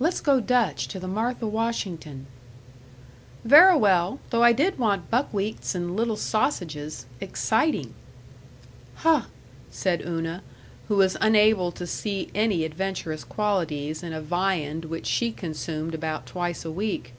Let's go Dutch to the Martha Washington." "Verra well. Though I did want buckwheats and little sausages. Exciting!" "Huh!" said Una, who was unable to see any adventurous qualities in a viand which she consumed about twice a week.